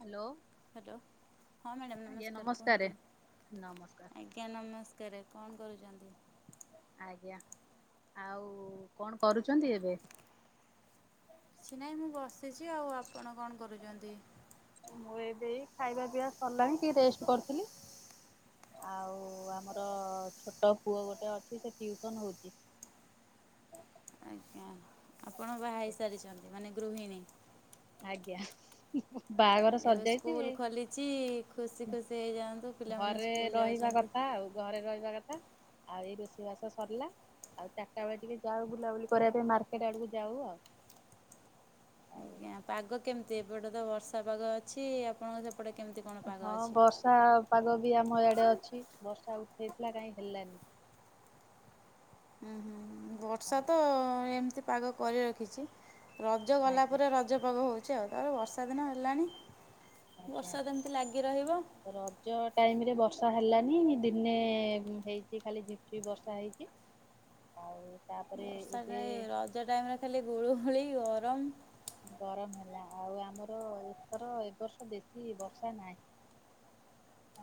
Hello. Hello ହଁ madam ଆଜ୍ଞା ନମସ୍କାର ନମସ୍କାରେ କୁହନ୍ତୁ ନମସ୍କାର ଆଜ୍ଞା। ଆଜ୍ଞା ନମସ୍କାର କଣ କରୁଛନ୍ତି? ଆଜ୍ଞା ଆଉ କଣ କରୁଛନ୍ତି ଏବେ? କିଛି ନାଇଁ ମୁଁ ବସିଛି ଆଉ ଆପଣ କଣ କରୁଛନ୍ତି ଏବେ? ମୁଁ ଏବେ ଖାଇବା ପିଇବା ସରିଲାଣି ଟିକେ ରେଷ୍ଟ୍ କରୁଥିଲି। ଆଉ ଆମର ଛୋଟ ପୁଅ ଗୋଟେ ଅଛି ସେ ଟ୍ଯୂଉସନ୍ ହଉଛି। ଆଜ୍ଞା ଆପଣ ବାହା ହେଇସାରିଛନ୍ତି ମାନେ ଗୃହିଣୀ? ଆଜ୍ଞା। ବା ଏବେ ସ୍କୁଲ ଖୋଲିଛି ଖୁସି ଖୁସି ହେଇଯାଆନ୍ତୁ ପିଲାମାନେ ଘରେ ସ୍କୁଲ ରହିବା ଯାଉଛନ୍ତି। କଥା ଆଉ ଘରେ ରହିବା କଥା ଆଉ ଏଇ ରୋଷେଇ ବାସ ସରିଲା ଆଉ ଚାରଟା ବେଳେ ଟିକେ ଯାଉ ବୁଲାବୁଲି କରିବା ପାଇଁ ମାର୍କେଟ ଆଡକୁ ଯାଉ ଆଉ। ହଉ। ଆଜ୍ଞା ପାଗ କେମିତି ଏପଟେ ତ ବର୍ଷା ପାଗ ଅଛି ଆପଣଙ୍କ ସେପଟେ କେମିତି କଣ ପାଗ ହଁ ଅଛି? ବର୍ଷା ପାଗ ବି ଆମ ଆଡ଼େ ଅଛି ବର୍ଷା ଉଠାଇଥିଲା କାହିଁ ହେଲାନି। ହୁଁ ହୁଁ ବର୍ଷା ତ ଏମିତି ପାଗ କରି ରଖିଛି ରଜ ଗଲା ଆଜ୍ଞା ପରେ ରଜ ରଜପାଗ ହଉଛି ଆଉ ତାପରେ ବର୍ଷା ଦିନ ହେଲାଣି ଆଜ୍ଞା ବର୍ଷା ଏମିତି ଲାଗି ରହିବ। ରଜ ଟାଇମ ରେ ବର୍ଷା ହେଲାନି ଦିନେ ହେଇଛି ଖାଲି ଝିପ ଝିପ୍ ବର୍ଷା ହେଇଛି। [unintelligible] ହଉ। ବର୍ଷା ଟା ରଜ ଟାଇମେ ଖାଲି ଗୁଳୁଗୁଳି ଗରମ। ଗରମ ହେଲା ଆଉ ଆମର ଏଥର ଏବର୍ଷ ବେଶୀ ବର୍ଷା ନାହିଁ।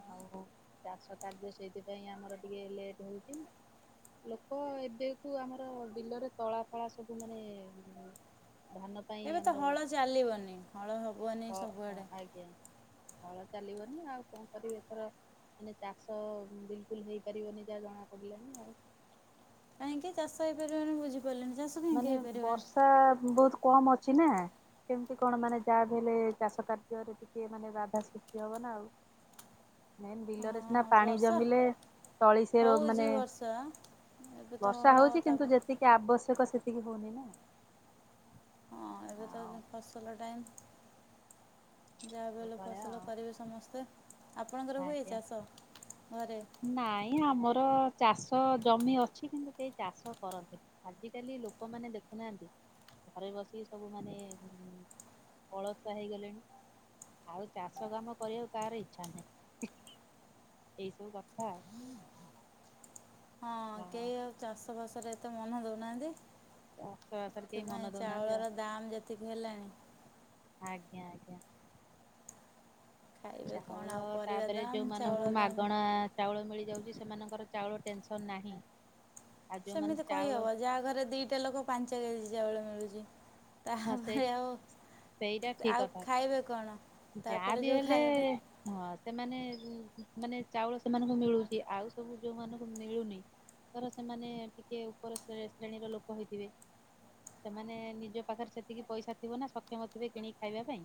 ଆଉ ଚାଷ କାର୍ଯ୍ୟ ସେଇଥିପାଇଁ ଆମର ଟିକେ ଲେଟ୍ ହଉଛି। ଲୋକ ଏବେକୁ ଆମର ବିଲରେ ତଳା ଫଳା ସବୁ ମାନେ ଧାନ ପାଇଁ ଏବେ ତ ଆମର ହଳ ଚାଲିବନି ହଳ ହବନି ହ ସବୁଆଡ଼େ। ଆଜ୍ଞା। ହଳ ଚାଲିବନି ଆଉ କଣ କରିବି ଏଥର ମାନେ ଚାଷ ବିଲକୁଲ ହେଇପାରିବନି ଯାହା ଜଣାପଡ଼ିଲାନି ଆଉ। କାହିଁକି ଚାଷ ହେଇ ପାରିବନି ବୁଝିପାରିଲେଣିି ଚାଷ କାହିଁକି ମାନେ ହେଇପାରିବନି ବର୍ଷା ବହୁତ କମ୍ ଅଛି ନା। କେମିତି କଣ ମାନେ ଯାହା ବି ହେଲେ ଚାଷ କାର୍ଯ୍ୟରେ ଟିକେ ମାନେ ବାଧା ସୃଷ୍ଟି ହବ ନା ଆଉ। ମେନ୍ ବିଲରେ ସିନା ହଁ ପାଣି ବର୍ଷା ଜମିଲେ ତଳି ସେ ର ମାନେ ହଉଛି ବର୍ଷା ଏବେ ତ ବର୍ଷା ହଳ ହଉଛି ତା କିନ୍ତୁ ଯେତିକି ଆବଶ୍ୟକ ସେତିକି ହଉନି ନା। ହଁ ଏବେ ତ ଆଉ ଫସଲ ଟାଇମ୍। ଯାହାବି ହେଲେ ସେଭଳିଆ ଫସଲ ଆଉ କରିବେ ସମସ୍ତେ ଆପଣଙ୍କର ହୁଏ ଆଜ୍ଞା। ଚାଷ ଘରେ? ନାଇଁ ଆମର ଚାଷ ଜମି ଅଛି କିନ୍ତୁ କେହି ଚାଷ କରନ୍ତିନି। ଆଜିକାଲି ଲୋକମାନେ ଦେଖୁନାହାନ୍ତି ଘରେ ବସିକି ସବୁ ମାନେ ଅଳସୁଆ ହେଇଗଲେଣି। ଆଉ ଚାଷ କାମ କରିବାକୁ କାହାର ଇଛା ନାହିଁ ଏଇ ସବୁ କଥା। ହଁ। ହଁ କେହି ଆଉ ଚାଷ ବାସରେ ଏତେ ମନ ଦଉନାହାନ୍ତି। ଅକ୍ଷର ଅକ୍ଷର କେହି ମନ ଏଥିପାଇଁ ଦଉନାହାନ୍ତି ଆଉ ଚାଉଳର ଦାମ ଯେତିକି ହେଲାଣି। ଆଜ୍ଞା ଆଜ୍ଞା। ଖାଇବେ କଣ ଚାଉଳ ଆଉ ପରିବା ତାପରେ ଦାମ୍ ଯୋଉମାନଙ୍କୁ ଚାଉଳ ଦାମ୍ ମାଗଣା ଚାଉଳ ମିଳିଯାଉଛି ସେମାନଙ୍କର ଚାଉଳ ଟେନସନ ନାହିଁ। ଆଉ ଯୋଉମାନେ ସେମିତି ଚାଉଳ କହିହବ ଯାହା ଘରେ ଦୁଇଟା ଲୋକ ପାଞ୍ଚ କେଜି ଚାଉଳ ମିଳୁଛି। ହଁ ସେ ତାପରେ ଆଉ ସେଇଟା ଠିକ ଆଉ କଥା ଖାଇବେ କଣ ଯାହା ତାପରେ ବି ଯେଉଁ ହେଲେ ଖାଇବାଟା ହଁ ସେମାନେ ମାନେ ଚାଉଳ ସେମାନଙ୍କୁ ମିଳୁଛି ଆଉ ସବୁ ଯୋଉମାନଙ୍କୁ ମିଳୁନି ଧର ସେମାନେ ଟିକେ ଉପର ଶ୍ରେଣୀର ଲୋକ ହେଇଥିବେ ସେମାନେ ନିଜ ପାଖରେ ସେତିକି ପଇସା ଥିବ ନା ସକ୍ଷମ ଥିବେ କିଣିକି ଖାଇବା ପାଇଁ।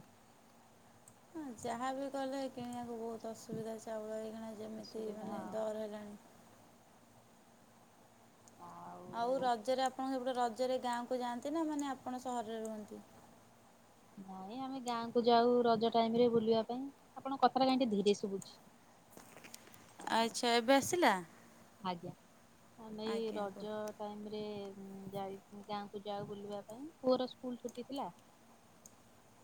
ଯାହା ବିି କଲେ କିଣିବାକୁ ବହୁତ ଅସୁବିଧା ଚାଉଳ ହେଇକିଣା ଯେମିତି ଅସୁବିଧା ମାନେ ଆଉ ଦର ହେଲାଣି। ଆଉ ରଜରେ ଆପଣ ସେପଟେ ରଜରେ ଗାଁକୁ ଯାଆନ୍ତି ନା ମାନେ ଆପଣ ସହରରେ ରୁହନ୍ତି? ନାଇଁ ଆମେ ଗାଁକୁ ଯାଉ ରଜ ଟାଇମ ରେ ବୁଲିବା ପାଇଁ ଆପଣଙ୍କ କଥାଟା କହି ଧୀରେ ଶୁଭୁଛି। ଆଚ୍ଛା ଏବେ ଆସିଲା? ଆଜ୍ଞା ଆ ଏଇ ଆଜ୍ଞା କୁହ। ରଜ ତାପରେ ଯାଇ ଗାଁକୁ ଯାଉ ବୁଲିବା ପାଇଁ ପୁଅର ସ୍କୁଲ ଛୁଟି ଥିଲା।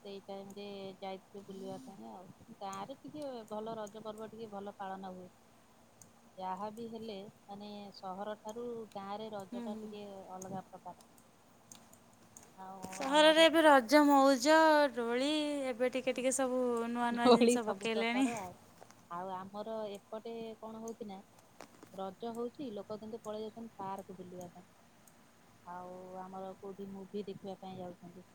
ସେଇ ଟାଇମ ରେ ଯାଇଥିବ ବୁଲିବା ପାଇଁ ଆଉ ଗାଁ ରେ ଟିକେ ଭଲ ରଜ ପର୍ବ ଟିକେ ଭଲ ପାଳନ ହୁଏ ଯାହା ବି ହେଲେ ମାନେ ସହର ଠାରୁ ଗାଁ ରେ ରଜ ହୁଁ ଟା ହୁଁ। ଟିକେ ଅଲଗା ପ୍ରକାର। ଆଉ ସହରରେ ଆମର ଏବେ ରଜ ମଉଜ ଡୋଳି ଏବେ ଟି ଟିକେ ଟିକେ ସବୁ ନୂଆ ନୂଆ ଦୋଳି ଜିନିଷ ସବୁ ପକେଇଲେଣି। ପ୍ରକାର ଆଉ ଆଉ ଆମର ଏପଟେ କଣ ହଉଚି ନା ରଜ ହଉଚି ଲୋକ କେନ୍ତି ପଳେଇ ଯାଉଚନ୍ତି ପାର୍କ ବୁଲିବା ପାଇଁ। ଆଉ ଆମର କେଉଁଠି ମୁଭି ଦେଖିବା ପାଇଁ ଯାଉଚନ୍ତି।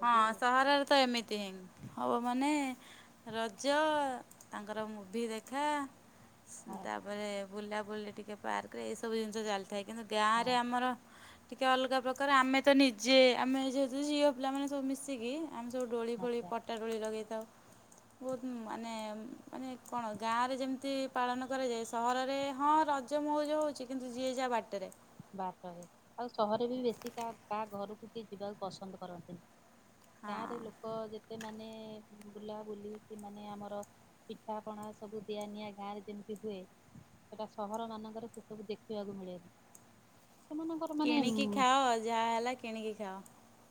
ହଁ ସହରରେ ତ ଏମିତି। ହବ ମାନେ ରଜ ତାଙ୍କର ମୁଭି ଦେଖା ତାପରେ ବୁଲାବୁଲି ଟିକେ ପାର୍କରେ ଏଇ ସବୁ ଜିନିଷ ଚାଲି ଥାଏ କିନ୍ତୁ ଗାଁରେ ଆମର ଟିକେ ଅଲଗା ପ୍ରକାର ଆମେ ତ ନିଜେ ଆମେ ଯେହେତୁ ଝିଅ ପିଲାମାନେ ସବୁ ମିଶିକି ଆମେ ସବୁ ଡୋଳି ଫୋଳି ପଟା ଡୋଳି ଲଗାଇଥାଉ। ବହୁତ ମାନେ ମାନେ କଣ ଗାଁ ରେ ଯେମିତି ପାଳନ କରାଯାଏ ସହରରେ ହଁ ରଜ ମଉଜ ହେଉଚି କିନ୍ତୁ ଯିଏ ଯାହା ବାଟେରେ। ବାଟରେ ଆଉ ସହର ବି ବେଶୀ କାହା କାହା ଘରୁକୁ କିଏ ଯିବାକୁ ପସନ୍ଦ କରନ୍ତିନି। ହଁ ଗାଁ ରେ ଲୋକ ଯେତେ ମାନେ ବୁଲା ବୁଲି କିି ମାନେ ଆମର ପିଠା ପଣା ସବୁ ଦିଆ ନିିଆଁ ଗାଁ ରେ ଯେମିତି ହୁଏ ସେଟା ସହର ମାନଙ୍କରେ ସେ ସବୁ ଦେଖିବାକୁ ମିଳେନି। ସେମାନଙ୍କର ମାନେ କିଣିକି ଖାଅ ଯାହା ହେଲା କିଣିକି ଖାଅ।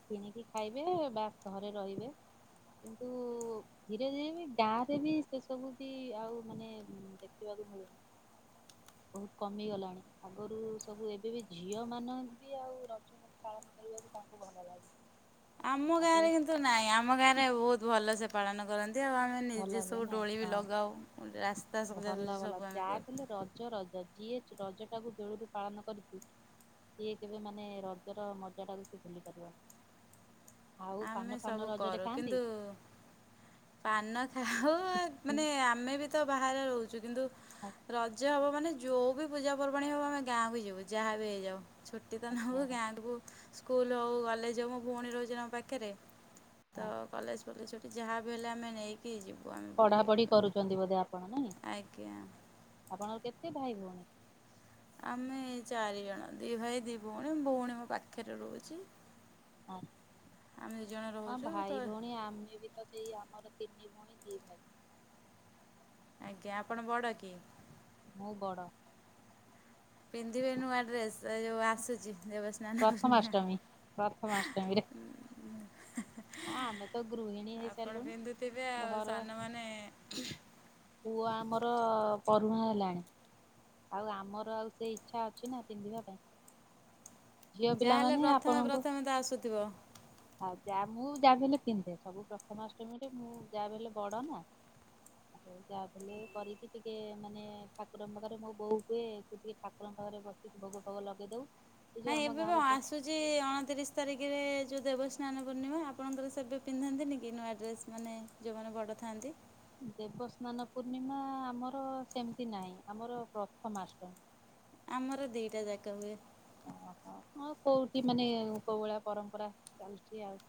କିଣିକି ଖାଇବେ ବାସ୍ ଘରେ ରହିବେ କିନ୍ତୁ ଧୀରେ ଧୀରେ ବି ଗାଁ ରେ ବି ସେ ସବୁ ବି ଆଉ ମାନେ ଦେଖିବାକୁ ମିଳୁନି। ବହୁତ କମିଗଲାଣି ଆଗରୁ ସବୁ ଏବେ ବି ଝିଅ ମାନବି ଆଉ ରଜ ମାନେ ପାଳନ କରିବାକୁ ତାଙ୍କୁ ଘ ଆମ ଗାଁରେ କିନ୍ତୁ ନାଇଁ ଆମ ଗାଁରେ ବହୁତ ଭଲସେ ପାଳନ କରନ୍ତି ଆଉ ଆମେ ନିଜେ ଭଲ ହୁଏ ସବୁ ନାଇଁ ଡୋଳି ବି ହଁ ଲଗାଉ ରାସ୍ତା ସଜାସଜି ସବୁ ଆମେ କରୁ। ଜ ରଜ ଜିଏଚ୍ ରଜଟାକୁ ଦୋଳିରୁ ପାଳନ କରିଚି ସିଏ କେବେ ମାନେ ରଜର ମଜା ଟାକୁ ସିଏ ଭୁଲି ପାରିବନି। ଆଉ ପାନ ଆମେ ଫାନ ସବୁ ରଜରେ କରୁ ଖାଆନ୍ତି? କିନ୍ତୁ ପାନ ଖାଉ ମାନେ ଆମେ ବି ତ ବାହାରେ ରହୁଚୁ କିନ୍ତୁ ଆଜ୍ଞା ରଜ ହବ ମାନେ ଯୋଉ ବି ପୂଜା ପର୍ବାଣୀ ହବ ଆମେ ଗାଁକୁ ଯିବୁ ଯାହା ବି ହେଇଯାଉ ଛୁ ଟିତ ନବୁ ଆଜ୍ଞା ଗାଁକୁ ସ୍କୁଲ ହଉ କଲେଜ ହଉ ମୋ ଭଉଣୀ ରହୁଚି ନାଁ ମୋ ପାଖେରେ। ତ ଆଜ୍ଞା। କଲେଜ ଫଲେଜ୍ ଛୁଟି ଯାହାବି ହେଲେ ଆମେ ନେଇକି ଯିବୁ ଆମେ ପଢା ବୁଲି ପଢି କରୁଚନ୍ତି ବୋଧେ ଆପଣ ନାଇଁ। ଆଜ୍ଞା। ଆପଣଙ୍କର କେତେ ଭାଇ ଭଉଣୀ? ଆମେ ଚାରିଜଣ ଦିଇ ଭାଇ ଦିଇ ଭଉଣୀ ଭଉଣୀ ମୋ ପାଖେରେ ରହୁଚି। ଅ ହଁ ରହୁଛୁ ତ ଭାଇ ଭଉଣୀ ଆମେ ବି ତ ସେଇ ଆମର ତିନି ଭଉଣୀ ଦି ଭାଇ। ଆଜ୍ଞା ଆପଣ ବଡ଼ କି? ମୁଁ ବଡ଼। ପିନ୍ଧିବେ ନୂଆ ଡ୍ରେସ ଏ ଯୋଉ ଆସୁଚି ଦେବ ସ୍ନାନ ପୁର୍ଣିମା। ପ୍ରଥମାଷ୍ଟମୀ ପ୍ରଥମାଷ୍ଟମୀରେ ଆମେ ତ ଗୃହିଣୀ ଆପଣ ହେଇସାରିଲୁଣି ପିନ୍ଧୁଥିବେ ଆଉ ଘର ସାନମାନେ। ପୁଅ ଆମର ପରୁହାଁ ହେଲାଣି। ଆଉ ଆମର ଆଉ ସେ ଇଚ୍ଛା ଅଛି ନା ପିନ୍ଧିବା ପାଇଁ। ଝିଅ ଯାହାହେଲେ ପିଲାମାନେ ପ୍ରଥମେ ଆପଣଙ୍କୁ ପ୍ରଥମେ ତ ଆସୁଥିବ। ଆଉ ଯା ମୁଁ ଯାହା ବି ହେଲେ ପିନ୍ଧେ ସବୁ ପ୍ରଥମାଷ୍ଟମୀରେ ମୁଁ ଯାହା ବି ହେଲେ ବଡ଼ ନାଁ। [unintelligible] ଯାହାବିହେଲେ କରିକି ଟିକେ ମାନେ ଠାକୁରଙ୍କ ପାଖରେ ମୋ ବୋଉ କୁହେ ତୁ ଟିକେ ଠାକୁରଙ୍କ ପାଖରେ ବସିକି ଭୋଗ ଭୋଗ ଲଗେଇଦବୁ। ଏଇ ଯୋଉ ନାଇଁ ଆମ ଏବେ ବି ଗାଁରେ ଆସୁଛି ଆଁ ଅଣତିରିଶ ତାରିଖରେ ଯଉ ଦେବସ୍ନାନ ପୂର୍ଣ୍ଣିମା ଆପଣଙ୍କର ସେବେ ପିନ୍ଧାନ୍ତିନି କି ନୂଆ ଡ୍ରେସ୍ ମାନେ ଯଉମାନେ ବଡ ଥାଆନ୍ତି। ଦେବସ୍ନାନ ପୂର୍ଣ୍ଣିମା ଆମର ସେମିତି ନାହିଁ ଆମର ପ୍ରଥମାଷ୍ଟମୀ। ଆମର ଦିଟା ଯାକ ହୁଏ। ଓହୋ ହଁ କୋଉଠି ମାନେ କଉଭଳିଆ ପରମ୍ପରା ଚାଲିଛି ଆଉ।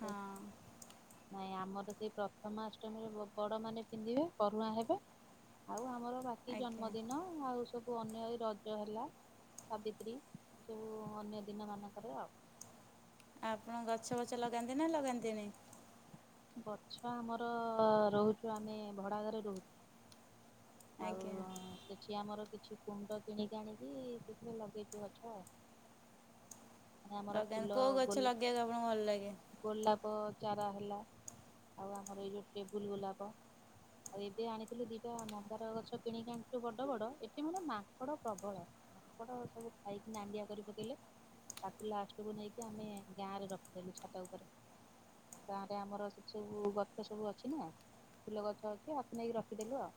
ହଁ ନାଇଁ ଆମର ସେଇ ପ୍ରଥମା ଅଷ୍ଟମୀରେ ବଡ଼ ମାନେ ପିନ୍ଧିବେ ପରୁହାଁ ହେବେ। ଆଉ ଆମର ବାକି ଆଜ୍ଞା ଜନ୍ମଦିନ ଆଉ ସବୁ ଅନ୍ୟ ଏଇ ରଜ ହେଲା। ସାବିତ୍ରୀ ଯଉ ଅନ୍ୟ ଦିନ ମାନଙ୍କରେ ଆଉ। ଆ ଆପଣ ଗଛ ଫଛ ଲଗାନ୍ତି ନା ଲଗାନ୍ତିନି? ଗଛ ଆମର ରୋହୁଛୁ ଆମେ ଭଡ଼ା ଘରେ ରୋହୁ ଆଉ ଆଜ୍ଞା କିଛି ଆମର କିଛି କୁଣ୍ଡ କିଣିକି ଆଣିକି ସେଥିରେ ଲଗେଇଛୁ ଗଛ ଆଉ। [inaudible] ଆଜ୍ଞା ଫୁଲ କୋଉ ଗଛ ଗୋଲ ଲଗେଇବାକୁ ଆପଣଙ୍କୁ ଭଲ ଲାଗେ? ଗୋଲାପ ଚାରା ହେଲା ଆଉ ଆମର ଏଇ ଯୋଉ ଟେବୁଲ ଗୋଲାପ। ଆଉ ଏବେ ଆଣିଥିଲୁ ଦିଟା ମନ୍ ନ୍ଦାର ଗଛ କିଣିକି ଆଣିଥିଲୁ ବଡ ବଡ ଏଠି ମାନେ ମାଙ୍କଡ଼ ପ୍ରବଳ। ମାଙ୍କଡ଼ ସବୁ ଖାଇକି ନାଣ୍ଡିଆ କରି ପକେଇଲେ। ତାକୁ ଲାଷ୍ଟକୁ ନେଇକି ଆମେ ଗାଁ ରେ ରଖିଦେଲୁ ଛାତ ଉପରେ। ଗାଁରେ ଆମର ସେ ସବୁ ଗଛ ସବୁ ଅଛି ନା। ଫୁଲ ଗଛ ଅଛି ଆକୁ ନେଇକି ରଖିଦେଲି ଆଉ।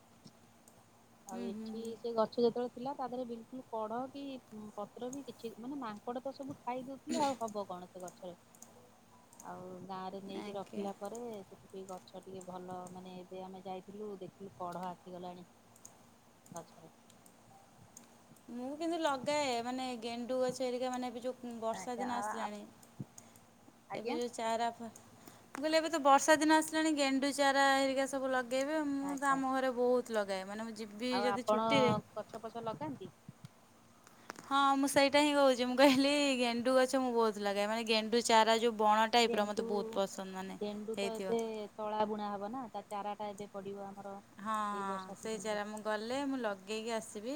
ଆଉ ହୁଁ ହୁଁ ଏଠି ହୁଁ। ସେ ଗଛ ଯେତେବେଳେ ଥିଲା ତା ଦେହରେ ବିଲକୁଲ୍ କଢ଼ କି ପତ୍ର ବି କି ଛି ମାନେ ମାଙ୍କଡ଼ ତ ସବୁ ଖାଇଦଉଥିଲେ ଆଉ ହବ କଣ ସେ ଗଛରେ ଆଉ ଗାଁରେ ନେଇକି ଆଜ୍ଞା। ରଖିଲା ପରେ ସେଠି ଏ ଗଛ ଟିକେ ଭଲ ମାନେ ଏବେ ଆମେ ଯାଇଥିଲୁ ଦେଖିକି କଢ଼ ଆସିଗଲାଣି। ଗଛରେ ମୁଁ କିନ୍ତୁ ଲଗାଏ ମାନେ ଗେଣ୍ଡୁ ଗଛ ହେରିକା ମାନେ ବି ଯୋଉ ବର୍ଷା ଆଜ୍ଞା ଦିନ ଆ ଆ ଆସିଲାଣି ଏବେ ଆଜ୍ଞା। ଯଉ ଚାଆରା ମୁଁ କହିଲି ଏବେ ତ ବର୍ଷା ଦିନ ଆସିଲାଣି ଗେଣ୍ଡୁ ଚାରା ହେରିକା ସବୁ ଲଗେଇବେ ମୁଁ ତ ଆଜ୍ଞା ଆମ ଘରେ ବହୁତ ଲଗାଏ ମାନେ ମୁଁ ଯିବି ଆଉ ଯଦି ଆପଣ ଛୁଟିରେ ଗଛ ପଛ ଲଗାନ୍ତି? ହଁ ମୁଁ ସେଇଟା ହିଁ କହୁଛି ମୁଁ କହିଲି ଗେଣ୍ଡୁ ଗଛ ମୁଁ ବହୁତ ଲାଗେ ମାନେ ଗେଣ୍ଡୁ ଚାରା ଯୋଉ ବଣ ଟାଇପ୍ ର ଗେଣ୍ଡୁ ମତେ ବହୁତ ପସନ୍ଦ ମାନେ ଗେଣ୍ଡୁ ତ ଏବେ ହେଇଥିବ। ତଳା ବୁଣା ହବ ନା ତା ଚାରା ଟା ଏବେ ପଡ଼ିବ ଆମର। ହଁ ଏଇ ହଁ ବର୍ଷା ସେଇ ସିଜନ ରେ ଚାରା ମୁଁ ଗଲେ ମୁଁ ଲଗେଇକି ଆସିବି।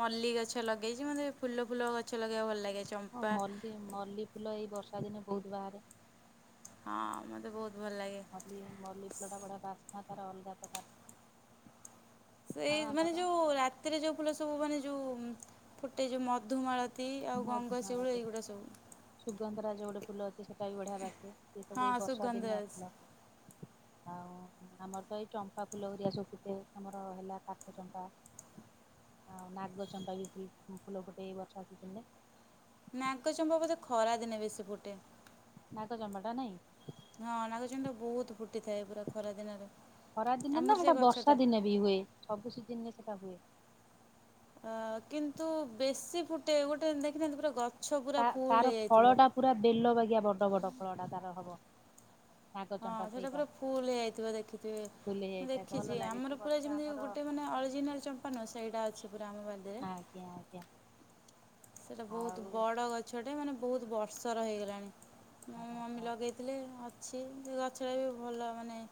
ମଲ୍ଲି ଗଛ ଲଗେଇଛି ମତେ ଫୁଲ ଫୁଲ ଗଛ ଲଗେଇବା ଭଲ ଲାଗିଛି। ହଁ ମଲ୍ଲି ମଲ୍ଲି ଫୁଲ ଏଇ ବର୍ଷା ଦିନେ ବହୁତ ବାହାରେ। ହଁ ମତେ ବହୁତ ଭଲ ଲାଗେ। ମଲ୍ଲି ମଲ୍ଲି ଫୁଲ ଟା ବଢ଼ିଆ ବାସ୍ନା ତାର ଅଲଗା ପ୍ରକାର। ସେଇ ଆଉ ମାନେ ଆମର ଯୋଉ ରାତିରେ ଯୋଉ ଫୁଲ ସବୁ ମାନେ ଯୋଉ ଫୁଟେ ଯୋଉ ମଧୁମାଳ ତି ଆଉ ଗଙ୍ଗଶିଉଳି ଏଇଗୁଡ଼ା ସବୁ। ସୁଗନ୍ଧରା ଯୋଉ ଗୋଟେ ଫୁଲ ଅଛି ସେଇଟା ବି ବଢ଼ଆ ବାସେ ସେ ସବୁ ଏଇ ହଁ ବର୍ଷା ଦିନିଆ ସୁଗନ୍ଧରାଜ ଫୁଲ। ଆଉ ଆମର ତ ଏଇ ଚମ୍ପା ଫୁଲ ହେରିଆ ସବୁ ଫୁଟେ ଆମର ହେଲା କାଠ ଚମ୍ପା ଆଉ ନାଗ ଚମ୍ପା ବି ଫୁଲ ଫୁଟେ ଏଇ ବର୍ଷା ସିଜନ୍ ଆସିଲେ। ନାଗଚମ୍ପା ବୋଧେ ଖରା ଦିନେ ବେଶୀ ଫୁଟେ। ନାଗ ଚ଼ମ୍ପାଟା ନାଇଁ? ହଁ ନାଗ ଚ଼ମ୍ପା ଟା ବହୁତ୍ ଫୁଟିଥାଏ ପୁରା ଖରା ଦିନରେ। ଖରା ଦିନେ ଆମର ନା ସେ ସେଟା ବର୍ଷା ଗଛଟା ଦିନେ ବି ହୁଏ ସବୁ ସିଜିନ୍ ରେ ସେଟା ହୁଏ। ଅ କିନ୍ତୁ ବେଶୀ ଫୁଟେ ଗୋଟେ ଦେଖିଥାନ୍ତି ପୁରା ଗଛ ପୁରା ତା ତାର ଫୁଲ ଫଳ ହେଇଯାଇଥିବ। ଟା ପୁରା ବେଲ ବାଗିଆ ବଡ ବଡ ଫଳ ଟା ତାର ହବ। ନାଗ ହଁ ଚମ୍ପା ସେଇଟା ପୁରା ଫୁଲ ହେଇଯାଇଥିବ ଦେଖୁଥିବେ। ଫୁଲି ମୁଁ ଯାଇଥାଏ ଭଲ ଦେଖିଛି ଲାଗେ ସେ ଆମର ଗଛ ପୁରା ଯେମିତି ଆମର ଗୋଟେ ମାନେ ଅରିଜିନାଲ ଚମ୍ପା ନୁହଁ ସେଇଟା ଅଛି ପୁରା ଆମ ବାଡିରେ। ଆଜ୍ଞା ଆଜ୍ଞା। ସେଇଟା ବହୁତ୍ ଆଉ ବଡ଼ ଗଛଟେ ମାନେ ବହୁତ୍ ବର୍ଷର ହେଇଗଲାଣି। ମୋ ମମି ଲଗେଇଥିଲେ ଅଛି ସେ ଗଛ ଟା ବି ଭଲ ମାନେ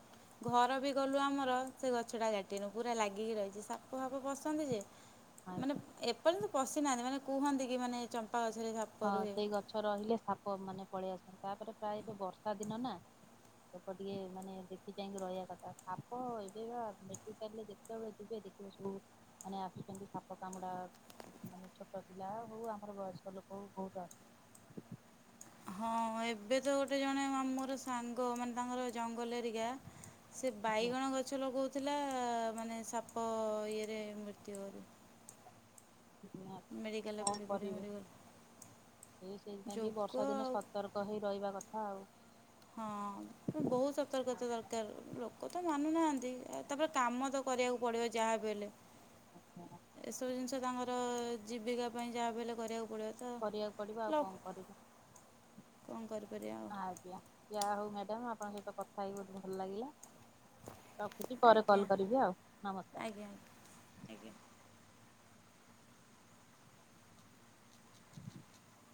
ଘର ବି କଲୁ ଆମର ସେ ଗଛଟା କାଟିନୁ ପୁରା ଲାଗିକି ରହିଛି ସାପ ଫାପ ପସନ୍ତି ଯେ ମାନେ ଆଜ୍ଞା। ଏପର୍ଯ୍ୟନ୍ତ ପଶି ନାହାଁନ୍ତି ମାନେ କୁହନ୍ତି କି ମାନେ ଚମ୍ପା ଗଛରେ ସା ହଁ ସେଇ ଗଛ ରହିଲେ ସାପ ମାନେ ପଳେଇ ଆସନ୍ତି ତାପରେ ପ୍ରାୟ ଏବେ ବର୍ଷା ଦିନ ନା ଲୋକ ଟିକେ ମାନେ ଦେଖି ଚାହିଁକି ରହିବା କଥା ସାପ ଏବେ ବା ମେଡି କାଲରେ ଯେତେବେଳେ ଯିବେ ଦେଖିବ ସବୁ ମାନେ ଆସୁଛନ୍ତି ସାପ କାମୁଡା ମାନେ ଛୋଟ ପିଲା ହଉ ଆମର ବୟସ୍କ ଲୋକ ହଉ ବହୁତ୍ ଆସୁଛନ୍ତି। ହଁ ଏବେ ତ ଗୋଟେ ଜଣେ ମୋର ସାଙ୍ଗ ମାନେ ତାଙ୍କର ଜଙ୍ଗଲ ଏରିକା ସେ ଆସୁଛନ୍ତି ବାଇଗଣ ଗଛ ଲଗଉଥିଲା ମାନେ ସାପ ଇଏରେ ମୃତ୍ୟୁ [unintelligible] ମେଡ଼ିକାଲରେ କଣ ପଡ଼ି ପଡ଼ି କରିବେ ମରିଗଲା ସେଇ ସେଇଥିପାଇଁ ଟିକେ ଯୋଗ ବର୍ଷା ଦିନେ ଆଉ ସତର ର୍କ ହେଇ ରହିବା କଥା ଆଉ। ହଁ। ବହୁତ୍ ସତର୍କତା ଦରକାର ଲୋକ ତ ମାନୁନାହାନ୍ତି ଆଉ ତାପରେ କାମ ତ କରିବାକୁ ପଡିବ ଯାହାବି ହେଲେ ଏସବୁ ଜିନିଷ ତାଙ୍କର ଜୀବିକା ପାଇଁ ଯାହା ବି ହେଲେ କରିବାକୁ ପଡିବ। କରିବାକୁ ପଡିବ ଆଉ କଣ କରିବ କ'ଣ କରିପାରିବା ଆଉ ଆଜ୍ଞା। ଯାହା ହଉ ମ୍ୟାଡ଼ାମ ଆପଣଙ୍କ ସହିତ କଥା ହେଇ ବହୁତ୍ ଭଲ ଲାଗିଲା ରଖୁଛି। ପରେ ଆଜ୍ଞା କଲ୍ କରିବି ଆଉ ନମସ୍କାର। ଆଜ୍ଞା ଆଜ୍ଞା। ହ [inaudible]